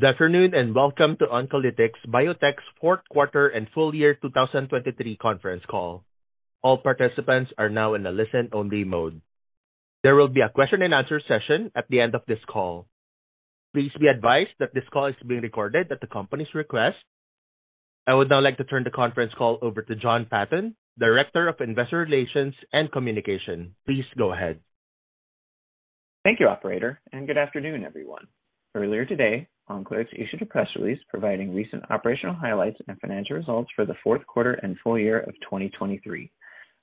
Good afternoon and welcome to Oncolytics Biotech's 4th Quarter and Full Year 2023 Conference Call. All participants are now in a listen-only mode. There will be a question-and-answer session at the end of this call. Please be advised that this call is being recorded at the company's request. I would now like to turn the conference call over to Jon Patton, Director of Investor Relations and Communication. Please go ahead. Thank you, Operator, and good afternoon, everyone. Earlier today, Oncolytics issued a press release providing recent operational highlights and financial results for the fourth quarter and full year of 2023.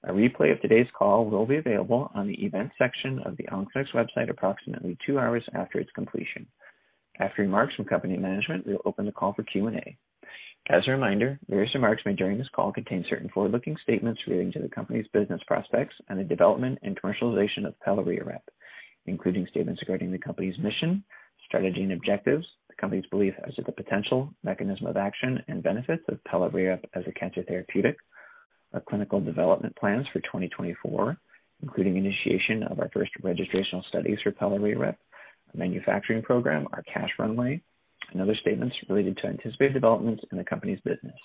A replay of today's call will be available on the event section of the Oncolytics website approximately two hours after its completion. After remarks from company management, we'll open the call for Q&A. As a reminder, various remarks made during this call contain certain forward-looking statements relating to the company's business prospects and the development and commercialization of pelareorep, including statements regarding the company's mission, strategy and objectives, the company's belief as to the potential, mechanism of action, and benefits of pelareorep as a cancer therapeutic, our clinical development plans for 2024, including initiation of our first registrational studies for pelareorep, a manufacturing program, our cash runway, and other statements related to anticipated developments in the company's business.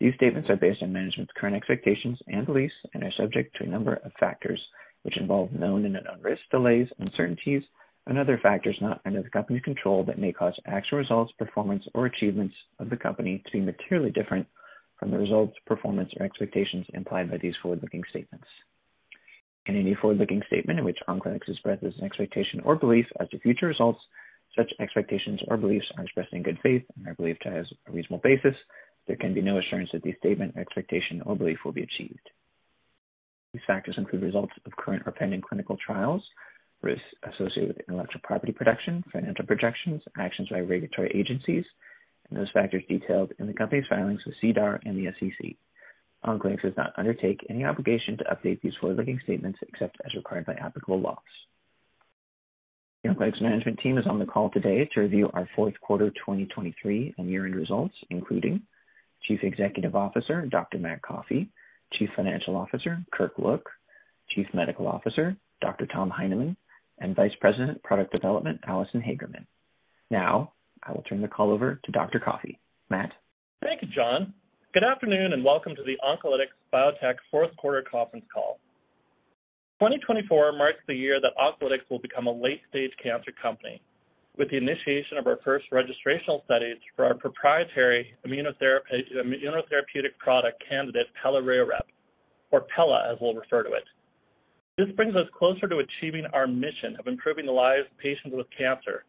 These statements are based on management's current expectations and beliefs and are subject to a number of factors which involve known and unknown risks, delays, uncertainties, and other factors not under the company's control that may cause actual results, performance, or achievements of the company to be materially different from the results, performance, or expectations implied by these forward-looking statements. In any forward-looking statement in which Oncolytics expresses an expectation or belief as to future results, such expectations or beliefs are expressed in good faith and are believed to have a reasonable basis. There can be no assurance that these statements, expectations, or beliefs will be achieved. These factors include results of current or pending clinical trials, risks associated with intellectual property production, financial projections, actions by regulatory agencies, and those factors detailed in the company's filings with SEDAR and the SEC. Oncolytics does not undertake any obligation to update these forward-looking statements except as required by applicable laws. The Oncolytics management team is on the call today to review our 4th Quarter 2023 and year-end results, including Chief Executive Officer Dr. Matt Coffey, Chief Financial Officer Kirk Look, Chief Medical Officer Dr. Tom Heineman, and Vice President Product Development Allison Hagerman. Now I will turn the call over to Dr. Coffey. Matt. Thank you, Jon. Good afternoon and welcome to the Oncolytics Biotech 4th Quarter Conference Call. 2024 marks the year that Oncolytics will become a late-stage cancer company with the initiation of our first registrational studies for our proprietary immunotherapeutic product candidate, pelareorep, or PELA as we'll refer to it. This brings us closer to achieving our mission of improving the lives of patients with cancer,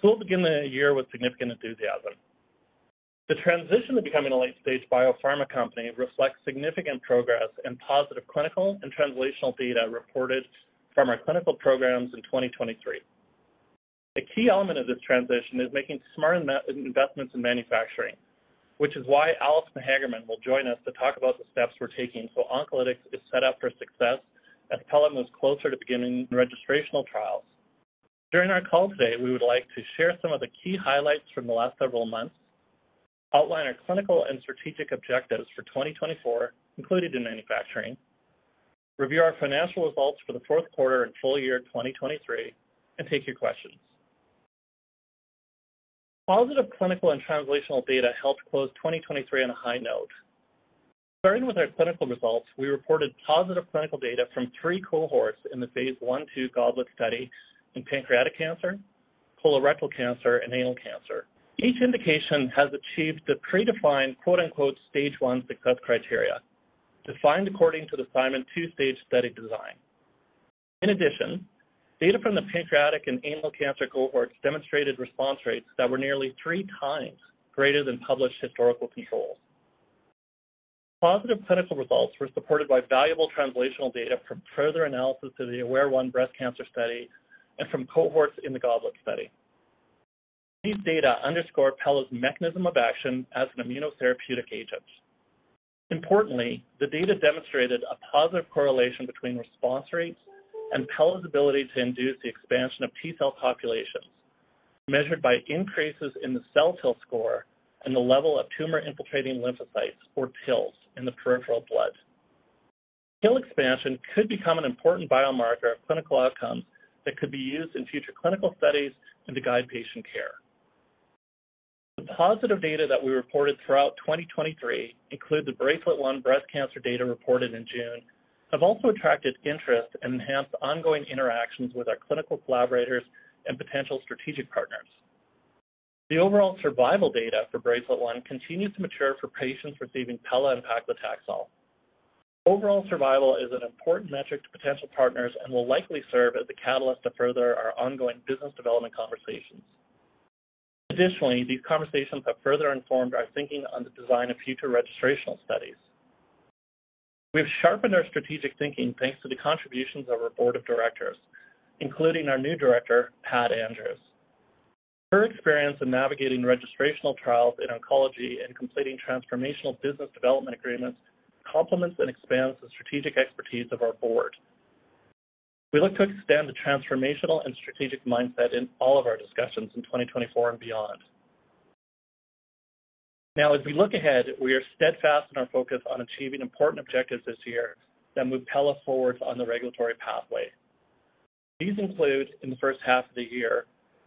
so we'll begin the year with significant enthusiasm. The transition to becoming a late-stage biopharma company reflects significant progress and positive clinical and translational data reported from our clinical programs in 2023. A key element of this transition is making smart investments in manufacturing, which is why Allison Hagerman will join us to talk about the steps we're taking so Oncolytics is set up for success as PELA moves closer to beginning registrational trials. During our call today, we would like to share some of the key highlights from the last several months, outline our clinical and strategic objectives for 2024, including in manufacturing, review our financial results for the fourth quarter and full year 2023, and take your questions. Positive clinical and translational data helped close 2023 on a high note. Starting with our clinical results, we reported positive clinical data from three cohorts in the phase I/II GOBLET study in pancreatic cancer, colorectal cancer, and anal cancer. Each indication has achieved the predefined "stage one" success criteria, defined according to the Simon two-stage study design. In addition, data from the pancreatic and anal cancer cohorts demonstrated response rates that were nearly 3x greater than published historical controls. Positive clinical results were supported by valuable translational data from further analysis of the AWARE-1 breast cancer study and from cohorts in the GOBLET study. These data underscore PELA's mechanism of action as an immunotherapeutic agent. Importantly, the data demonstrated a positive correlation between response rates and PELA's ability to induce the expansion of T cell populations measured by increases in the CelTIL score and the level of tumor-infiltrating lymphocytes, or TILs, in the peripheral blood. TIL expansion could become an important biomarker of clinical outcomes that could be used in future clinical studies and to guide patient care. The positive data that we reported throughout 2023, including the BRACELET-1 breast cancer data reported in June, have also attracted interest and enhanced ongoing interactions with our clinical collaborators and potential strategic partners. The overall survival data for BRACELET-1 continues to mature for patients receiving PELA and paclitaxel. Overall survival is an important metric to potential partners and will likely serve as a catalyst to further our ongoing business development conversations. Additionally, these conversations have further informed our thinking on the design of future registrational studies. We've sharpened our strategic thinking thanks to the contributions of our Board of Directors, including our new director, Pat Andrews. Her experience in navigating registrational trials in oncology and completing transformational business development agreements complements and expands the strategic expertise of our board. We look to extend the transformational and strategic mindset in all of our discussions in 2024 and beyond. Now, as we look ahead, we are steadfast in our focus on achieving important objectives this year that move PELA forwards on the regulatory pathway. These include, in the first half of the year,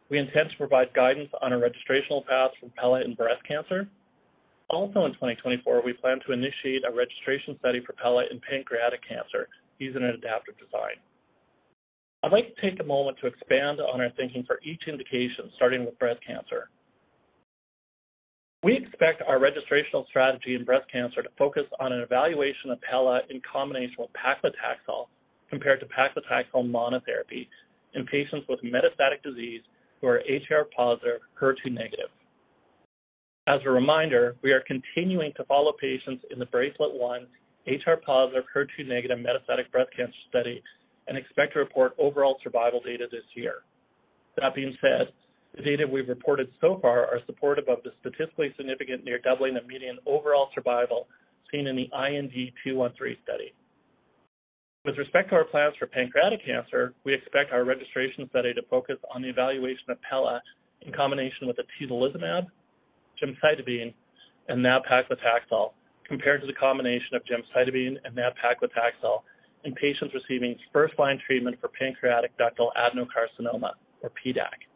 we intend to provide guidance on our registrational path for PELA in breast cancer. Also in 2024, we plan to initiate a registration study for pelareorep in pancreatic cancer using an adaptive design. I'd like to take a moment to expand on our thinking for each indication, starting with breast cancer. We expect our registrational strategy in breast cancer to focus on an evaluation of pelareorep in combination with paclitaxel compared to paclitaxel monotherapy in patients with metastatic disease who are HR+, HER2+. As a reminder, we are continuing to follow patients in the BRACELET-1 HR+, HER2+ metastatic breast cancer study and expect to report overall survival data this year. That being said, the data we've reported so far are supportive of the statistically significant near doubling of median overall survival seen in the IND-213 study. With respect to our plans for pancreatic cancer, we expect our registration study to focus on the evaluation of pelareorep in combination with atezolizumab, gemcitabine, and nab-paclitaxel compared to the combination of gemcitabine and nab-paclitaxel in patients receiving first-line treatment for pancreatic ductal adenocarcinoma, or PDAC.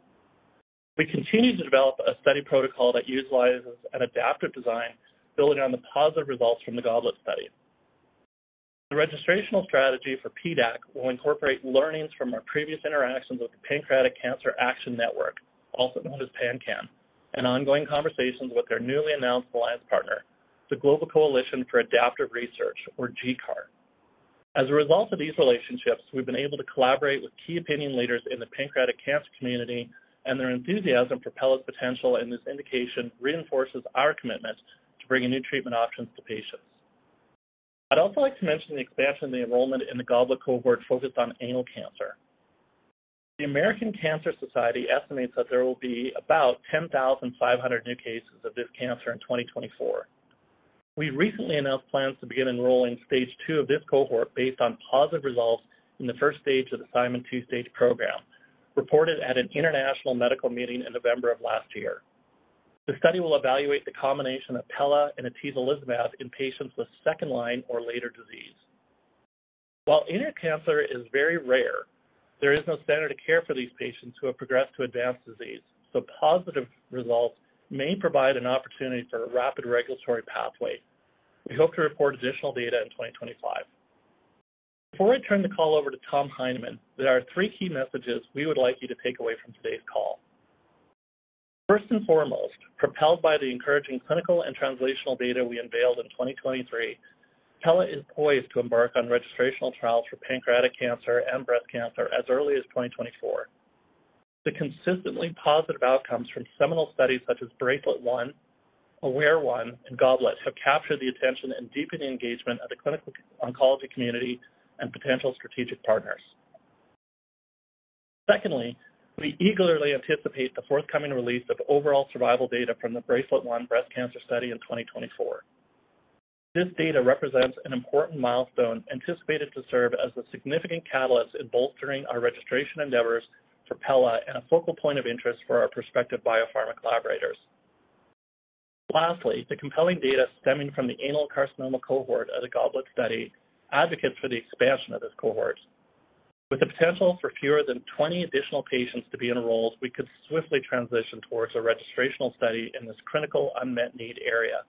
We continue to develop a study protocol that utilizes an adaptive design building on the positive results from the GOBLET study. The registrational strategy for PDAC will incorporate learnings from our previous interactions with the Pancreatic Cancer Action Network, also known as PanCAN, and ongoing conversations with their newly announced alliance partner, the Global Coalition for Adaptive Research, or GCAR. As a result of these relationships, we've been able to collaborate with key opinion leaders in the pancreatic cancer community, and their enthusiasm for pelareorep's potential in this indication reinforces our commitment to bringing new treatment options to patients. I'd also like to mention the expansion of the enrollment in the GOBLET cohort focused on anal cancer. The American Cancer Society estimates that there will be about 10,500 new cases of this cancer in 2024. We recently announced plans to begin enrolling stage 2 of this cohort based on positive results in the first stage of the Simon two-stage program reported at an international medical meeting in November of last year. The study will evaluate the combination of pelareorep and atezolizumab in patients with second-line or later disease. While anal cancer is very rare, there is no standard of care for these patients who have progressed to advanced disease, so positive results may provide an opportunity for a rapid regulatory pathway. We hope to report additional data in 2025. Before I turn the call over to Tom Heineman, there are three key messages we would like you to take away from today's call. First and foremost, propelled by the encouraging clinical and translational data we unveiled in 2023, pelareorep is poised to embark on registrational trials for pancreatic cancer and breast cancer as early as 2024. The consistently positive outcomes from seminal studies such as BRACELET-1, AWARE-1, and GOBLET have captured the attention and deepened engagement of the clinical oncology community and potential strategic partners. Secondly, we eagerly anticipate the forthcoming release of overall survival data from the BRACELET-1 breast cancer study in 2024. This data represents an important milestone anticipated to serve as a significant catalyst in bolstering our registration endeavors for pelareorep and a focal point of interest for our prospective biopharma collaborators. Lastly, the compelling data stemming from the anal carcinoma cohort of the GOBLET study advocates for the expansion of this cohort. With the potential for fewer than 20 additional patients to be enrolled, we could swiftly transition towards a registrational study in this critical unmet need area.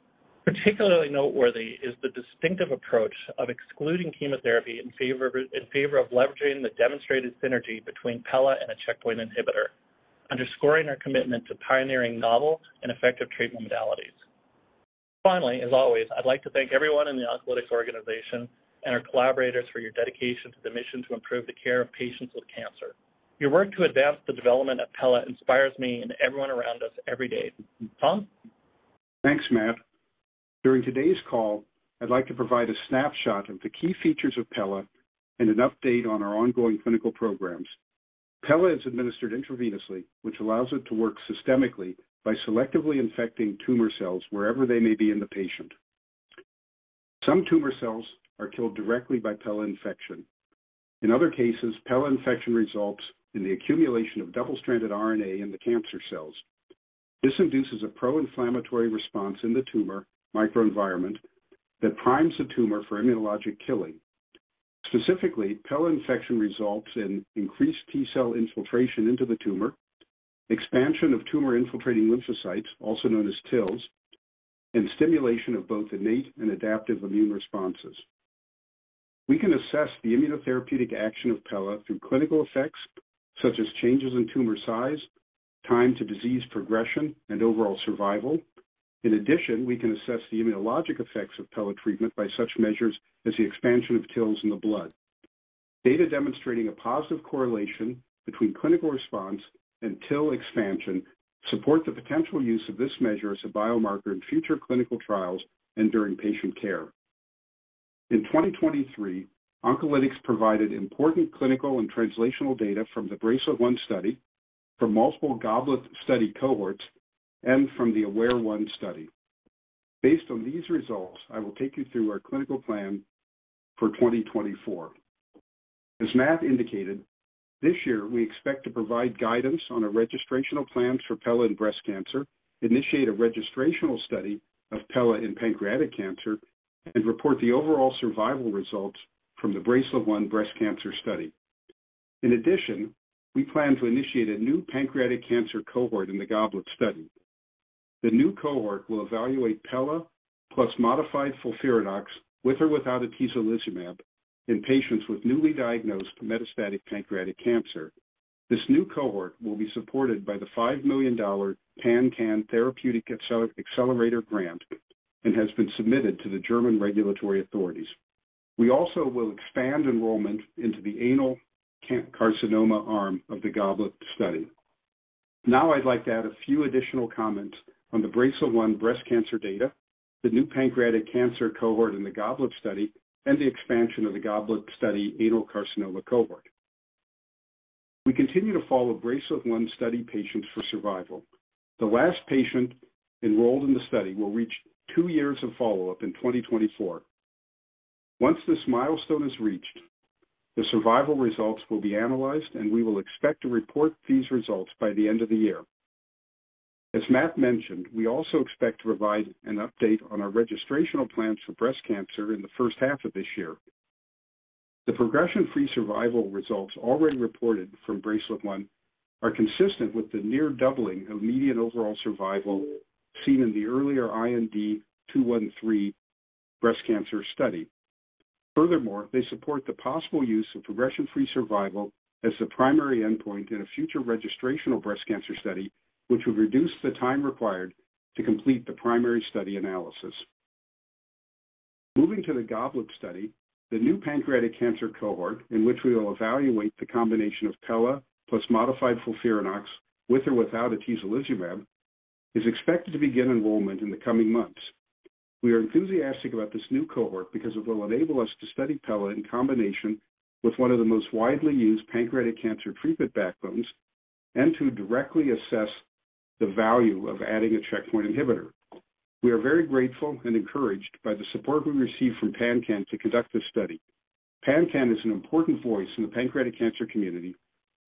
Particularly noteworthy is the distinctive approach of excluding chemotherapy in favor of leveraging the demonstrated synergy between pelareorep and a checkpoint inhibitor, underscoring our commitment to pioneering novel and effective treatment modalities. Finally, as always, I'd like to thank everyone in the Oncolytics organization and our collaborators for your dedication to the mission to improve the care of patients with cancer. Your work to advance the development of pelareorep inspires me and everyone around us every day. Tom? Thanks, Matt. During today's call, I'd like to provide a snapshot of the key features of pelareorep and an update on our ongoing clinical programs. Pelareorep is administered intravenously, which allows it to work systemically by selectively infecting tumor cells wherever they may be in the patient. Some tumor cells are killed directly by pelareorep infection. In other cases, pelareorep infection results in the accumulation of double-stranded RNA in the cancer cells. This induces a pro-inflammatory response in the tumor microenvironment that primes the tumor for immunologic killing. Specifically, pelareorep infection results in increased T cell infiltration into the tumor, expansion of tumor-infiltrating lymphocytes, also known as TILs, and stimulation of both innate and adaptive immune responses. We can assess the immunotherapeutic action of pelareorep through clinical effects such as changes in tumor size, time to disease progression, and overall survival. In addition, we can assess the immunologic effects of pelareorep treatment by such measures as the expansion of TILs in the blood. Data demonstrating a positive correlation between clinical response and TIL expansion support the potential use of this measure as a biomarker in future clinical trials and during patient care. In 2023, Oncolytics provided important clinical and translational data from the BRACELET-1 study, from multiple GOBLET study cohorts, and from the AWARE-1 study. Based on these results, I will take you through our clinical plan for 2024. As Matt indicated, this year we expect to provide guidance on our registrational plans for pelareorep in breast cancer, initiate a registrational study of pelareorep in pancreatic cancer, and report the overall survival results from the BRACELET-1 breast cancer study. In addition, we plan to initiate a new pancreatic cancer cohort in the GOBLET study. The new cohort will evaluate pelareorep plus modified FOLFIRINOX with or without atezolizumab in patients with newly diagnosed metastatic pancreatic cancer. This new cohort will be supported by the $5 million PanCAN Therapeutic Accelerator grant and has been submitted to the German regulatory authorities. We also will expand enrollment into the anal carcinoma arm of the GOBLET study. Now, I'd like to add a few additional comments on the BRACELET-1 breast cancer data, the new pancreatic cancer cohort in the GOBLET study, and the expansion of the GOBLET study anal carcinoma cohort. We continue to follow BRACELET-1 study patients for survival. The last patient enrolled in the study will reach two years of follow-up in 2024. Once this milestone is reached, the survival results will be analyzed, and we will expect to report these results by the end of the year. As Matt mentioned, we also expect to provide an update on our registrational plans for breast cancer in the first half of this year. The progression-free survival results already reported from BRACELET-1 are consistent with the near doubling of median overall survival seen in the earlier IND-213 breast cancer study. Furthermore, they support the possible use of progression-free survival as the primary endpoint in a future registrational breast cancer study, which would reduce the time required to complete the primary study analysis. Moving to the GOBLET study, the new pancreatic cancer cohort, in which we will evaluate the combination of pelareorep plus modified FOLFIRINOX with or without atezolizumab, is expected to begin enrollment in the coming months. We are enthusiastic about this new cohort because it will enable us to study pelareorep in combination with one of the most widely used pancreatic cancer treatment backbones and to directly assess the value of adding a checkpoint inhibitor. We are very grateful and encouraged by the support we received from PanCAN to conduct this study. PanCAN is an important voice in the pancreatic cancer community,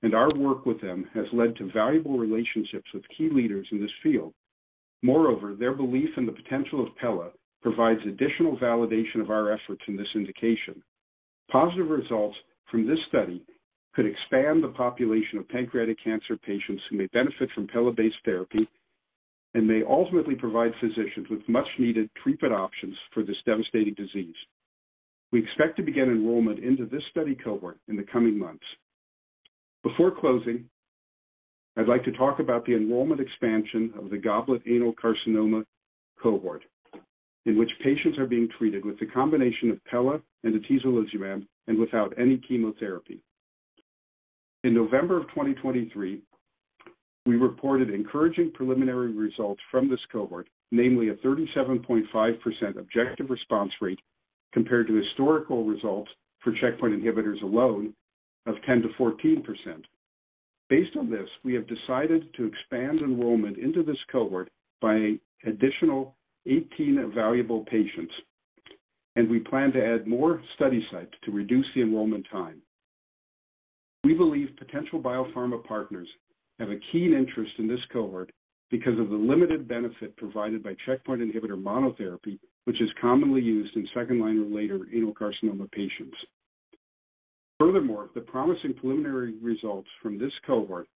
and our work with them has led to valuable relationships with key leaders in this field. Moreover, their belief in the potential of pelareorep provides additional validation of our efforts in this indication. Positive results from this study could expand the population of pancreatic cancer patients who may benefit from pelareorep-based therapy and may ultimately provide physicians with much-needed treatment options for this devastating disease. We expect to begin enrollment into this study cohort in the coming months. Before closing, I'd like to talk about the enrollment expansion of the GOBLET anal carcinoma cohort, in which patients are being treated with the combination of pelareorep and atezolizumab and without any chemotherapy. In November of 2023, we reported encouraging preliminary results from this cohort, namely a 37.5% objective response rate compared to historical results for checkpoint inhibitors alone of 10%-14%. Based on this, we have decided to expand enrollment into this cohort by additional 18 valuable patients, and we plan to add more study sites to reduce the enrollment time. We believe potential biopharma partners have a keen interest in this cohort because of the limited benefit provided by checkpoint inhibitor monotherapy, which is commonly used in second-line or later anal carcinoma patients. Furthermore, the promising preliminary results from this cohort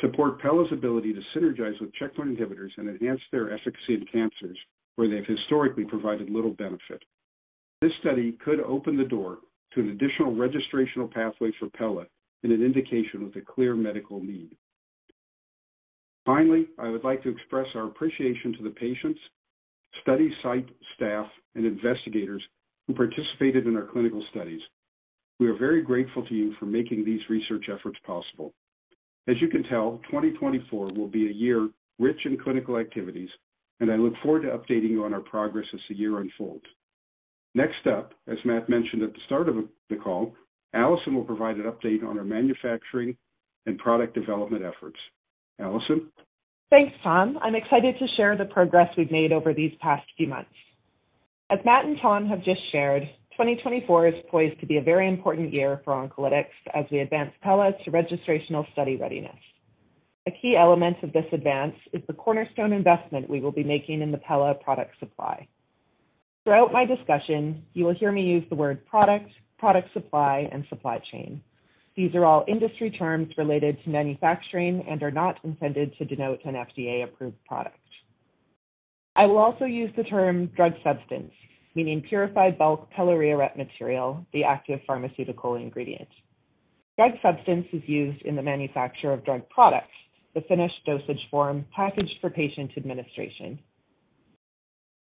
support pelareorep's ability to synergize with checkpoint inhibitors and enhance their efficacy in cancers where they've historically provided little benefit. This study could open the door to an additional registrational pathway for pelareorep in an indication with a clear medical need. Finally, I would like to express our appreciation to the patients, study site staff, and investigators who participated in our clinical studies. We are very grateful to you for making these research efforts possible. As you can tell, 2024 will be a year rich in clinical activities, and I look forward to updating you on our progress as the year unfolds. Next up, as Matt mentioned at the start of the call, Allison will provide an update on our manufacturing and product development efforts. Allison? Thanks, Tom. I'm excited to share the progress we've made over these past few months. As Matt and Tom have just shared, 2024 is poised to be a very important year for Oncolytics as we advance pelareorep to registrational study readiness. A key element of this advance is the cornerstone investment we will be making in the pelareorep product supply. Throughout my discussion, you will hear me use the word product, product supply, and supply chain. These are all industry terms related to manufacturing and are not intended to denote an FDA-approved product. I will also use the term drug substance, meaning purified bulk pelareorep raw material, the active pharmaceutical ingredient. Drug substance is used in the manufacture of drug products, the finished dosage form packaged for patient administration.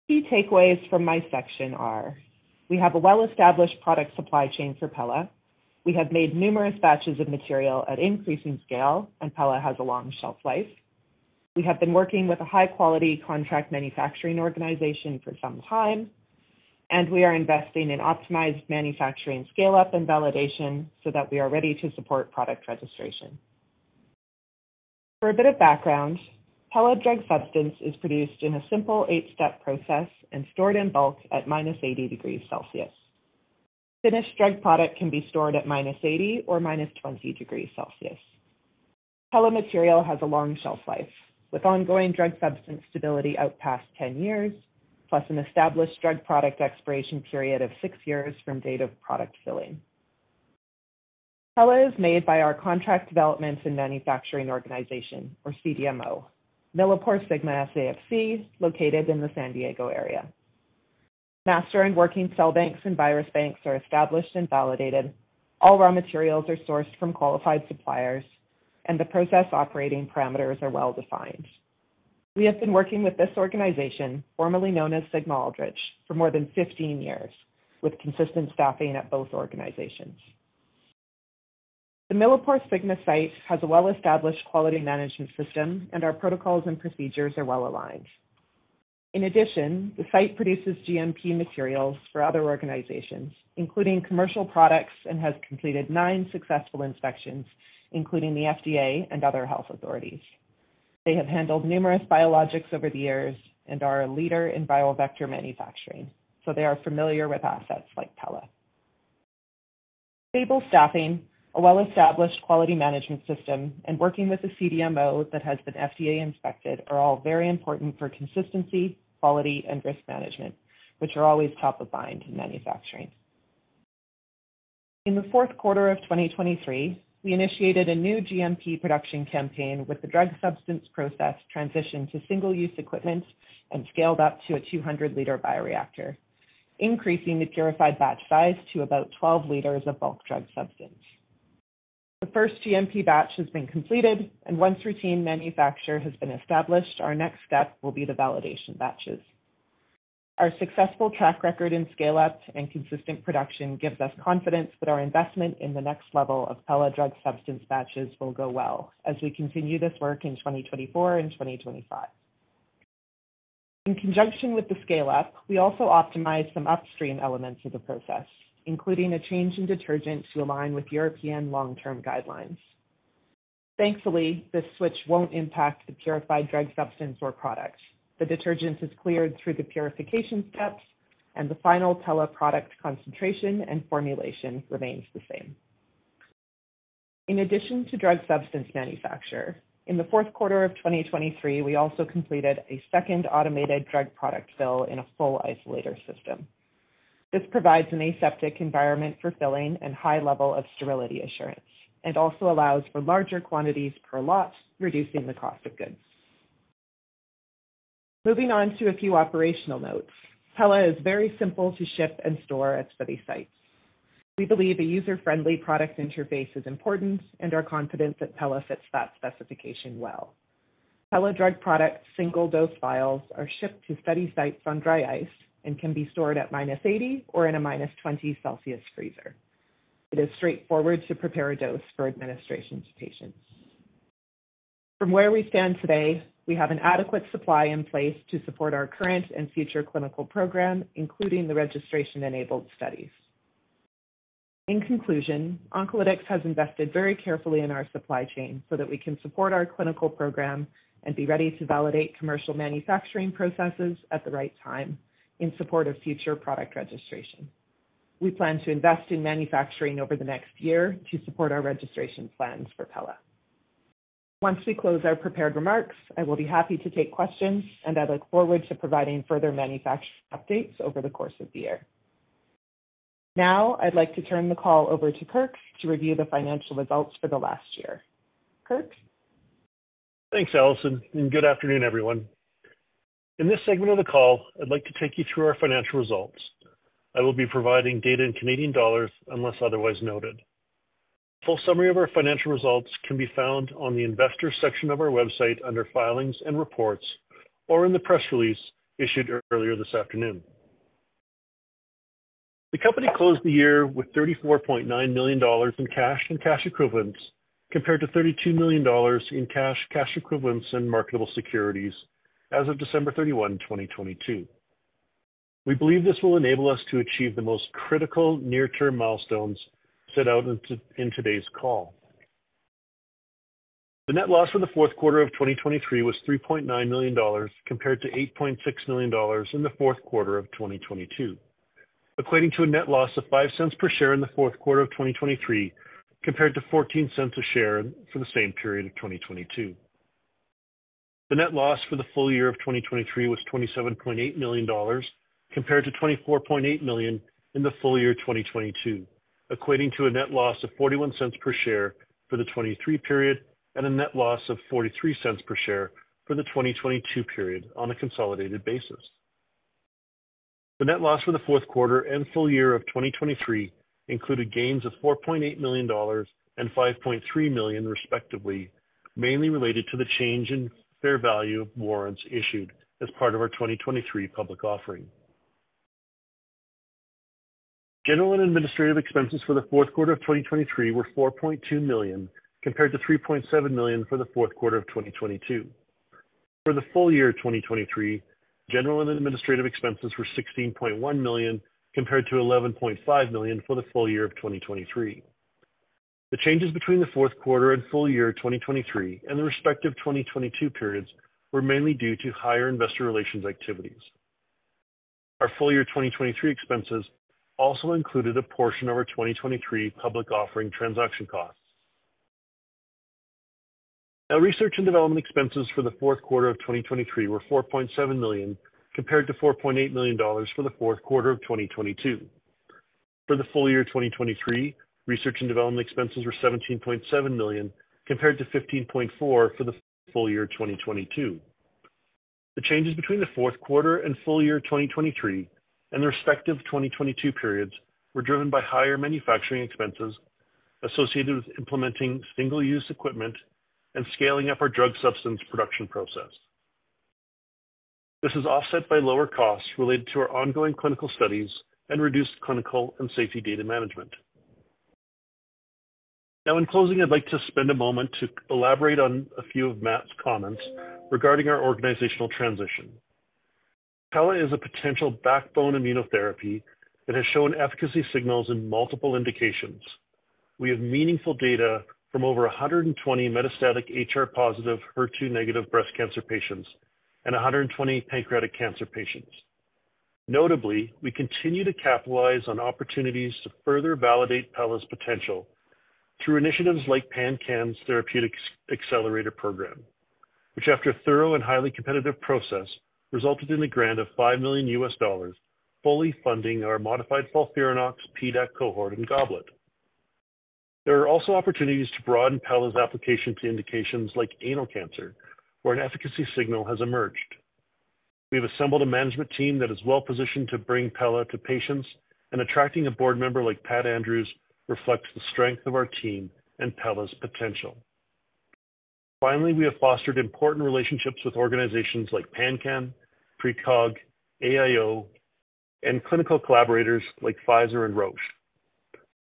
Key takeaways from my section are: we have a well-established product supply chain for pelareorep. We have made numerous batches of material at increasing scale, and pelareorep has a long shelf life. We have been working with a high-quality contract manufacturing organization for some time, and we are investing in optimized manufacturing scale-up and validation so that we are ready to support product registration. For a bit of background, pelareorep drug substance is produced in a simple eight-step process and stored in bulk at -80 degrees Celsius. Finished drug product can be stored at -80 or -20 degrees Celsius. Pelareorep material has a long shelf life, with ongoing drug substance stability out past 10 years, plus an established drug product expiration period of six years from date of product filling. Pelareorep is made by our contract development and manufacturing organization, or CDMO, MilliporeSigma SAFC, located in the San Diego area. Master and working cell banks and virus banks are established and validated. All raw materials are sourced from qualified suppliers, and the process operating parameters are well-defined. We have been working with this organization, formerly known as Sigma-Aldrich, for more than 15 years, with consistent staffing at both organizations. The MilliporeSigma site has a well-established quality management system, and our protocols and procedures are well-aligned. In addition, the site produces GMP materials for other organizations, including commercial products, and has completed nine successful inspections, including the FDA and other health authorities. They have handled numerous biologics over the years and are a leader in viral vector manufacturing, so they are familiar with assets like pelareorep. Stable staffing, a well-established quality management system, and working with a CDMO that has been FDA inspected are all very important for consistency, quality, and risk management, which are always top of mind in manufacturing. In the fourth quarter of 2023, we initiated a new GMP production campaign with the drug substance process transitioned to single-use equipment and scaled up to a 200 L bioreactor, increasing the purified batch size to about 12 L of bulk drug substance. The first GMP batch has been completed, and once routine manufacture has been established, our next step will be the validation batches. Our successful track record in scale-ups and consistent production gives us confidence that our investment in the next level of pelareorep drug substance batches will go well as we continue this work in 2024 and 2025. In conjunction with the scale-up, we also optimized some upstream elements of the process, including a change in detergent to align with European long-term guidelines. Thankfully, this switch won't impact the purified drug substance or products. The detergent is cleared through the purification steps, and the final pelareorep product concentration and formulation remains the same. In addition to drug substance manufacture, in the fourth quarter of 2023, we also completed a second automated drug product fill in a full isolator system. This provides an aseptic environment for filling and high level of sterility assurance and also allows for larger quantities per lot, reducing the cost of goods. Moving on to a few operational notes, pelareorep is very simple to ship and store at study sites. We believe a user-friendly product interface is important, and are confident that pelareorep fits that specification well. pelareorep drug product single-dose vials are shipped to study sites on dry ice and can be stored at -80 degrees Celsius or in a -20 degrees Celsius freezer. It is straightforward to prepare a dose for administration to patients. From where we stand today, we have an adequate supply in place to support our current and future clinical program, including the registration-enabled studies. In conclusion, Oncolytics has invested very carefully in our supply chain so that we can support our clinical program and be ready to validate commercial manufacturing processes at the right time in support of future product registration. We plan to invest in manufacturing over the next year to support our registration plans for pelareorep. Once we close our prepared remarks, I will be happy to take questions, and I look forward to providing further manufacturing updates over the course of the year. Now, I'd like to turn the call over to Kirk to review the financial results for the last year. Kirk? Thanks, Allison, and good afternoon, everyone. In this segment of the call, I'd like to take you through our financial results. I will be providing data in Canadian dollars unless otherwise noted. A full summary of our financial results can be found on the investor section of our website under filings and reports or in the press release issued earlier this afternoon. The company closed the year with 34.9 million dollars in cash and cash equivalents compared to 32 million dollars in cash, cash equivalents, and marketable securities as of December 31, 2022. We believe this will enable us to achieve the most critical near-term milestones set out in today's call. The net loss for the fourth quarter of 2023 was 3.9 million dollars compared to 8.6 million dollars in the fourth quarter of 2022, equating to a net loss of 0.05 per share in the fourth quarter of 2023 compared to 0.14 per share for the same period of 2022. The net loss for the full year of 2023 was 27.8 million dollars compared to 24.8 million in the full year 2022, equating to a net loss of 0.41 per share for the 2023 period and a net loss of 0.43 per share for the 2022 period on a consolidated basis. The net loss for the fourth quarter and full year of 2023 included gains of 4.8 million dollars and 5.3 million, respectively, mainly related to the change in fair value of warrants issued as part of our 2023 public offering. General and administrative expenses for the fourth quarter of 2023 were 4.2 million compared to 3.7 million for the fourth quarter of 2022. For the full year 2023, general and administrative expenses were 16.1 million compared to 11.5 million for the full year 2022. The changes between the fourth quarter and full year 2023 and the respective 2022 periods were mainly due to higher Investor Relations activities. Our full year 2023 expenses also included a portion of our 2023 public offering transaction costs. Our research and development expenses for the fourth quarter of 2023 were 4.7 million compared to 4.8 million dollars for the fourth quarter of 2022. For the full year 2023, research and development expenses were 17.7 million compared to 15.4 million for the full year 2022. The changes between the fourth quarter and full year 2023 and the respective 2022 periods were driven by higher manufacturing expenses associated with implementing single-use equipment and scaling up our drug substance production process. This is offset by lower costs related to our ongoing clinical studies and reduced clinical and safety data management. Now, in closing, I'd like to spend a moment to elaborate on a few of Matt's comments regarding our organizational transition. pelareorep is a potential backbone immunotherapy that has shown efficacy signals in multiple indications. We have meaningful data from over 120 metastatic HR+, HER2- breast cancer patients, and 120 pancreatic cancer patients. Notably, we continue to capitalize on opportunities to further validate pelareorep's potential through initiatives like PanCAN's Therapeutic Accelerator Program, which, after a thorough and highly competitive process, resulted in the grant of $5 million fully funding our modified FOLFIRINOX, PDAC cohort, and GOBLET. There are also opportunities to broaden pelareorep's application to indications like anal cancer, where an efficacy signal has emerged. We have assembled a management team that is well-positioned to bring pelareorep to patients, and attracting a board member like Pat Andrews reflects the strength of our team and pelareorep's potential. Finally, we have fostered important relationships with organizations like PanCAN, PrECOG, AIO, and clinical collaborators like Pfizer and Roche.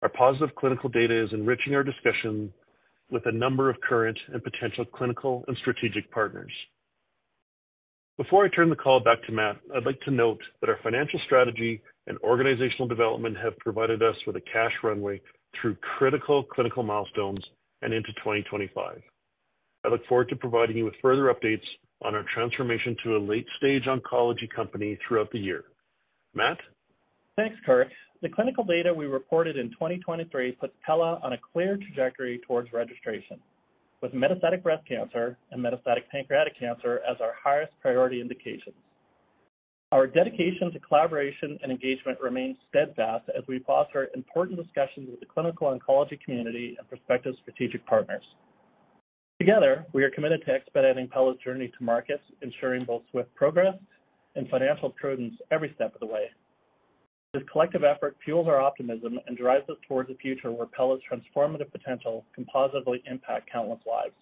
Our positive clinical data is enriching our discussion with a number of current and potential clinical and strategic partners. Before I turn the call back to Matt, I'd like to note that our financial strategy and organizational development have provided us with a cash runway through critical clinical milestones and into 2025. I look forward to providing you with further updates on our transformation to a late-stage oncology company throughout the year. Matt? Thanks, Kirk. The clinical data we reported in 2023 puts pelareorep on a clear trajectory towards registration, with metastatic breast cancer and metastatic pancreatic cancer as our highest priority indications. Our dedication to collaboration and engagement remains steadfast as we foster important discussions with the clinical oncology community and prospective strategic partners. Together, we are committed to expediting pelareorep's journey to market, ensuring both swift progress and financial prudence every step of the way. This collective effort fuels our optimism and drives us towards a future where pelareorep's transformative potential can positively impact countless lives.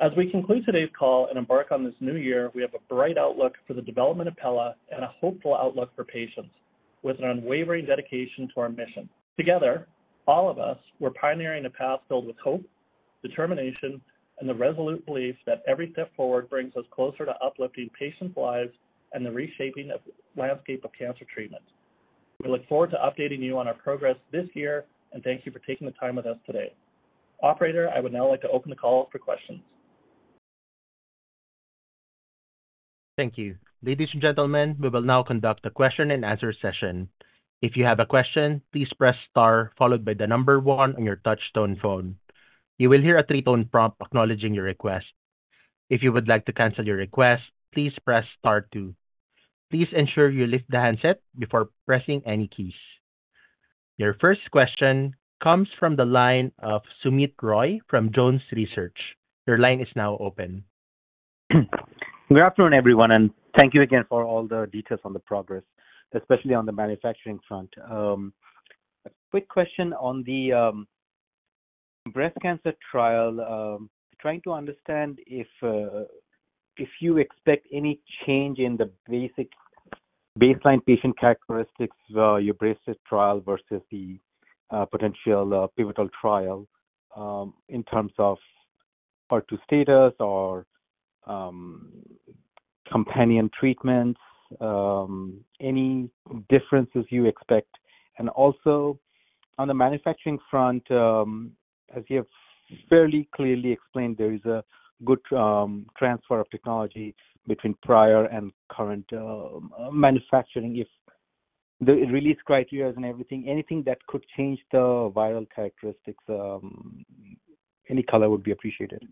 As we conclude today's call and embark on this new year, we have a bright outlook for the development of pelareorep and a hopeful outlook for patients, with an unwavering dedication to our mission. Together, all of us, we're pioneering a path filled with hope, determination, and the resolute belief that every step forward brings us closer to uplifting patients' lives and the reshaping landscape of cancer treatment. We look forward to updating you on our progress this year, and thank you for taking the time with us today. Operator, I would now like to open the call for questions. Thank you. Ladies, and gentlemen, we will now conduct a question-and-answer session. If you have a question, please press star followed by the number one on your touch-tone phone. You will hear a three-tone prompt acknowledging your request. If you would like to cancel your request, please press star two. Please ensure you lift the handset before pressing any keys. Your first question comes from the line of Soumit Roy from Jones Research. Your line is now open. Good afternoon, everyone, and thank you again for all the details on the progress, especially on the manufacturing front. A quick question on the breast cancer trial. Trying to understand if you expect any change in the baseline patient characteristics while the BRACELET trial versus the potential pivotal trial in terms of HER2 status or companion treatments, any differences you expect. And also, on the manufacturing front, as you have fairly clearly explained, there is a good transfer of technology between prior and current manufacturing. If the release criteria and everything, anything that could change the viral characteristics, any color would be appreciated.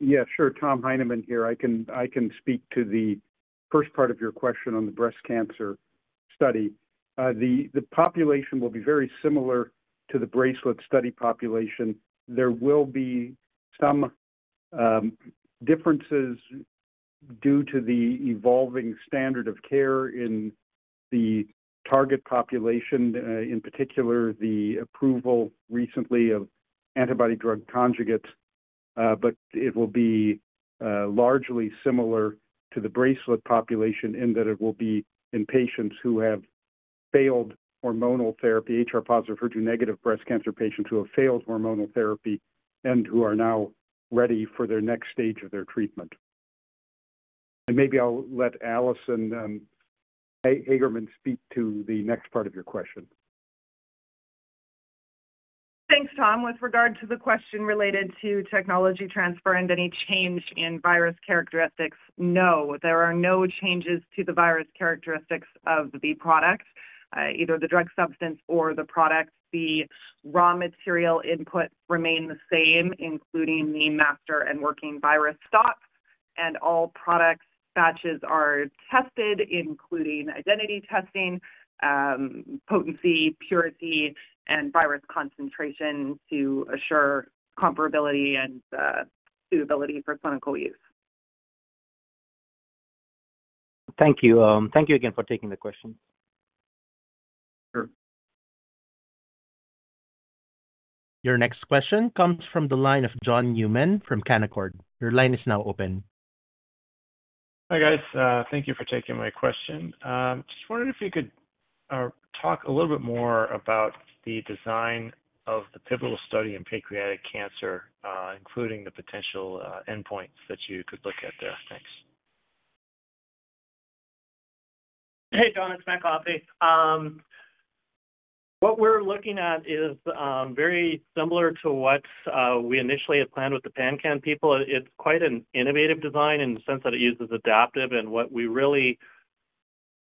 Yeah, sure. Tom Heineman here. I can speak to the first part of your question on the breast cancer study. The population will be very similar to the BRACELET-1 study population. There will be some differences due to the evolving standard of care in the target population, in particular the approval recently of antibody-drug conjugates. But it will be largely similar to the BRACELET-1 population in that it will be in patients who have failed hormonal therapy, HR+, HER2- breast cancer patients who have failed hormonal therapy and who are now ready for their next stage of their treatment. And maybe I'll let Allison Hagerman speak to the next part of your question. Thanks, Tom. With regard to the question related to technology transfer and any change in virus characteristics, no, there are no changes to the virus characteristics of the product, either the drug substance or the product. The raw material inputs remain the same, including the master and working virus stock. All product batches are tested, including identity testing, potency, purity, and virus concentration to assure comparability and suitability for clinical use. Thank you. Thank you again for taking the questions. Sure. Your next question comes from the line of John Newman from Canaccord. Your line is now open. Hi, guys. Thank you for taking my question. Just wondered if you could talk a little bit more about the design of the pivotal study in pancreatic cancer, including the potential endpoints that you could look at there. Thanks. Hey, John. It's Matt Coffey. What we're looking at is very similar to what we initially had planned with the PanCAN people. It's quite an innovative design in the sense that it uses adaptive. And what we really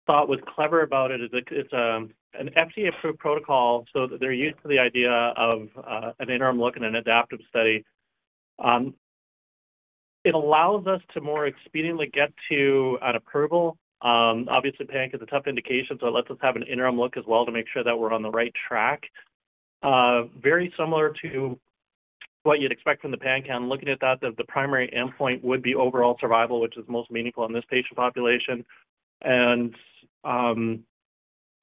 thought was clever about it is it's an FDA-approved protocol, so they're used to the idea of an interim look and an adaptive study. It allows us to more expediently get to an approval. Obviously, PanCAN is a tough indication, so it lets us have an interim look as well to make sure that we're on the right track. Very similar to what you'd expect from the PanCAN, looking at that, the primary endpoint would be overall survival, which is most meaningful in this patient population.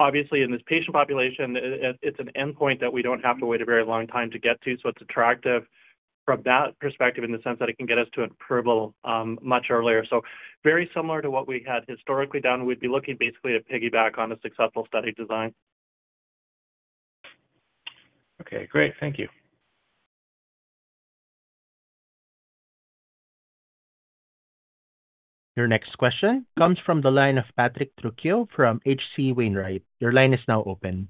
Obviously, in this patient population, it's an endpoint that we don't have to wait a very long time to get to, so it's attractive from that perspective in the sense that it can get us to an approval much earlier. Very similar to what we had historically done, we'd be looking basically to piggyback on a successful study design. Okay. Great. Thank you. Your next question comes from the line of Patrick Trucchio from H.C. Wainwright. Your line is now open.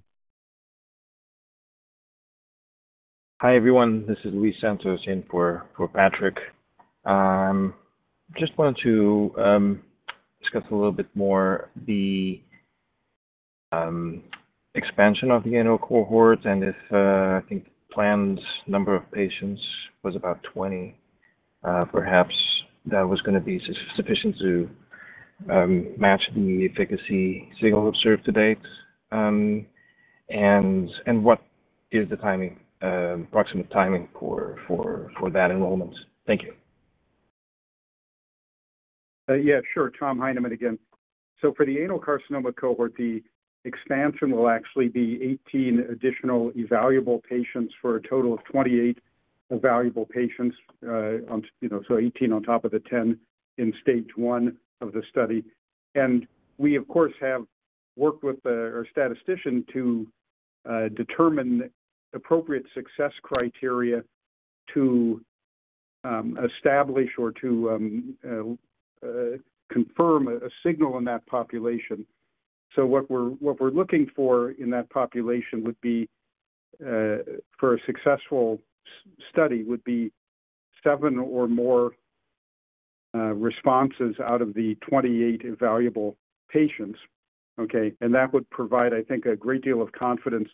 Hi, everyone. This is Luis Santos in for Patrick. I just wanted to discuss a little bit more the expansion of the anal cohort and if I think the planned number of patients was about 20, perhaps that was going to be sufficient to match the efficacy signal observed to date. What is the approximate timing for that enrollment? Thank you. Yeah, sure. Tom Heineman again. So for the anal carcinoma cohort, the expansion will actually be 18 additional evaluable patients for a total of 28 evaluable patients, so 18 on top of the 10 in stage one of the study. And we, of course, have worked with our statistician to determine appropriate success criteria to establish or to confirm a signal in that population. So what we're looking for in that population for a successful study would be seven or more responses out of the 28 evaluable patients, okay? And that would provide, I think, a great deal of confidence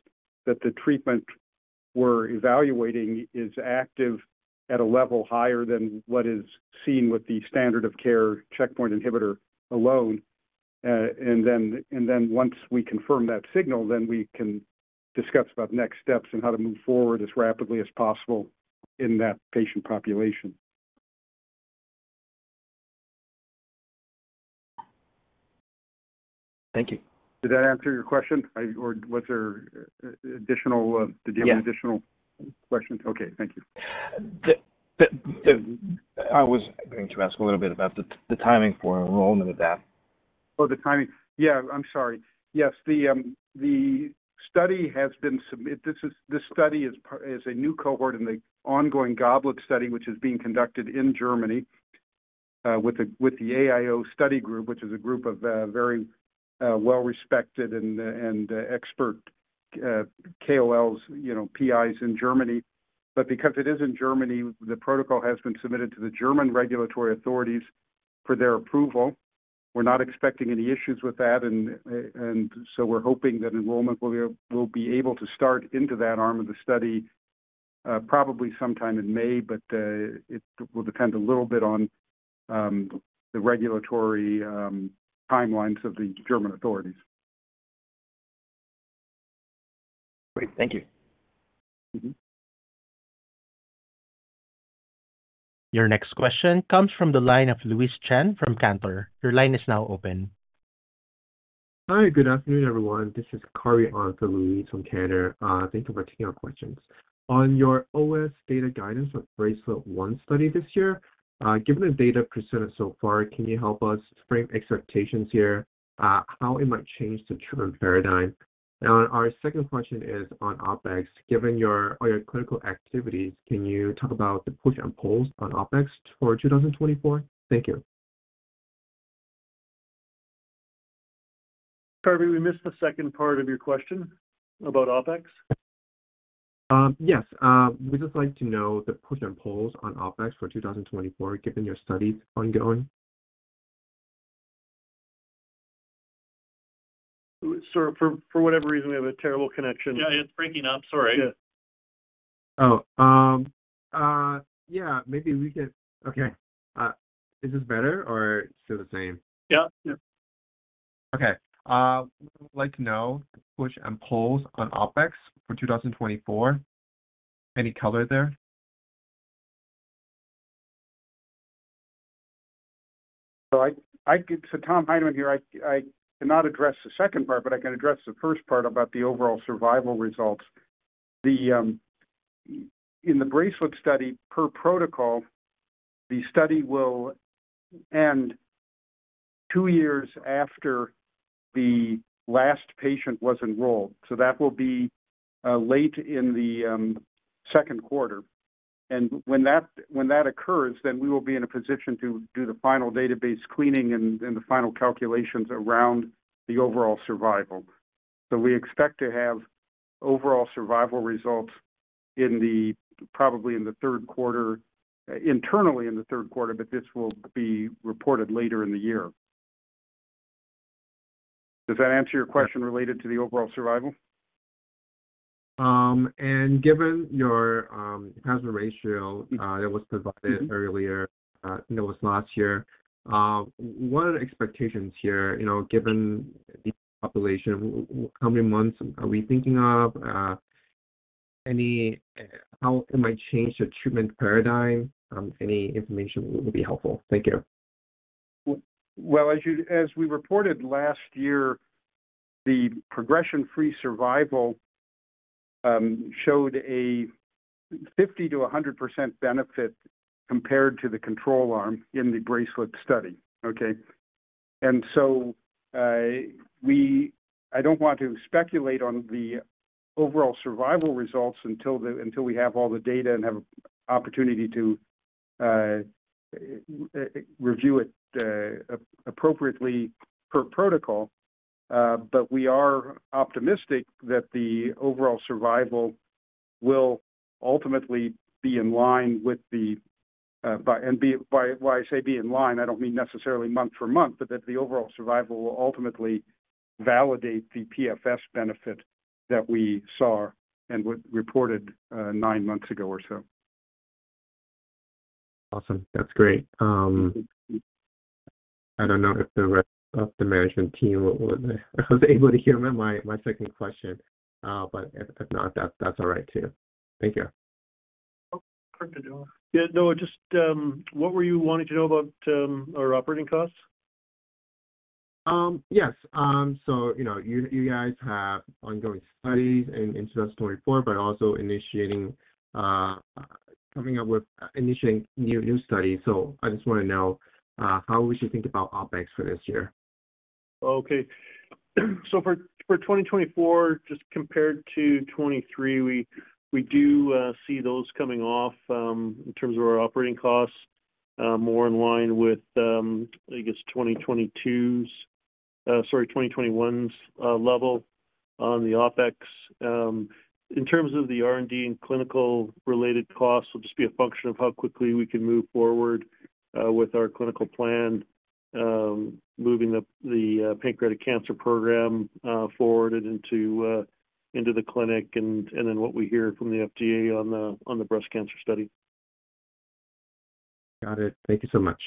that the treatment we're evaluating is active at a level higher than what is seen with the standard of care checkpoint inhibitor alone. And then once we confirm that signal, then we can discuss about next steps and how to move forward as rapidly as possible in that patient population. Thank you. Did that answer your question? Or was there additional? Did you have an additional question? Okay. Thank you. I was going to ask a little bit about the timing for enrollment of that. Oh, the timing. Yeah, I'm sorry. Yes, the study has been submitted. This study is a new cohort in the ongoing GOBLET study, which is being conducted in Germany with the AIO study group, which is a group of very well-respected and expert KOLs, PIs in Germany. But because it is in Germany, the protocol has been submitted to the German regulatory authorities for their approval. We're not expecting any issues with that. And so we're hoping that enrollment will be able to start into that arm of the study probably sometime in May, but it will depend a little bit on the regulatory timelines of the German authorities. Great. Thank you. Your next question comes from the line of Louise Chen from Cantor Fitzgerald. Your line is now open. Hi. Good afternoon, everyone. This is Carvey on for Louise from Cantor. Thank you for taking our questions. On your OS data guidance for the BRACELET-1 study this year, given the data presented so far, can you help us frame expectations here? How it might change the treatment paradigm. Our second question is on OpEx. Given all your clinical activities, can you talk about the pushes and pulls on OpEx for 2024? Thank you. Carvey We missed the second part of your question about OpEx. Yes. We just like to know the pushes and pulls on OpEx for 2024, given your studies ongoing? Sir, for whatever reason, we have a terrible connection. Yeah, it's breaking up. Sorry. Yeah. Oh. Yeah. Maybe we can okay. Is this better, or it's still the same? Yeah. Yeah. Okay. We would like to know the pushes and pulls on OpEx for 2024? Any color there? So Tom Heineman here. I cannot address the second part, but I can address the first part about the overall survival results. In the BRACELET study, per protocol, the study will end two years after the last patient was enrolled. So that will be late in the second quarter. And when that occurs, then we will be in a position to do the final database cleaning and the final calculations around the overall survival. So we expect to have overall survival results probably in the third quarter internally in the third quarter, but this will be reported later in the year. Does that answer your question related to the overall survival? Given your hazard ratio that was provided earlier that was last year, what are the expectations here? Given the population, how many months are we thinking of? How it might change the treatment paradigm? Any information would be helpful. Thank you. Well, as we reported last year, the progression-free survival showed a 50%-100% benefit compared to the control arm in the BRACELET study, okay? And so I don't want to speculate on the overall survival results until we have all the data and have an opportunity to review it appropriately per protocol. But we are optimistic that the overall survival will ultimately be in line with the and why I say be in line, I don't mean necessarily month for month, but that the overall survival will ultimately validate the PFS benefit that we saw and reported nine months ago or so. Awesome. That's great. I don't know if the rest of the management team was able to hear my second question, but if not, that's all right too. Thank you. No, just what were you wanting to know about our operating costs? Yes. You guys have ongoing studies and incidental report, but also coming up with initiating new studies. I just want to know how we should think about OpEx for this year. Okay. So for 2024, just compared to 2023, we do see those coming off in terms of our operating costs more in line with, I guess, 2022's, sorry, 2021's level on the OpEx. In terms of the R&D and clinical-related costs, it'll just be a function of how quickly we can move forward with our clinical plan, moving the pancreatic cancer program forward and into the clinic, and then what we hear from the FDA on the breast cancer study. Got it. Thank you so much.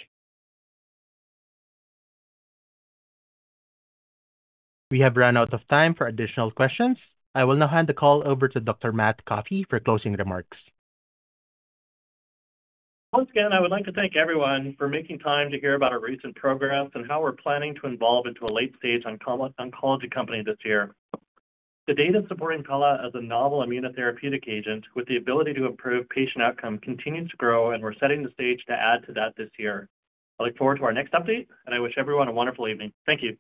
We have run out of time for additional questions. I will now hand the call over to Dr. Matt Coffey for closing remarks. Once again, I would like to thank everyone for making time to hear about our recent progress and how we're planning to evolve into a late-stage oncology company this year. The data supporting pelareorep as a novel immunotherapeutic agent with the ability to improve patient outcome continues to grow, and we're setting the stage to add to that this year. I look forward to our next update, and I wish everyone a wonderful evening. Thank you.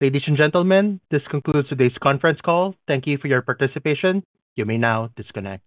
Ladies, and gentlemen, this concludes today's conference call. Thank you for your participation. You may now disconnect.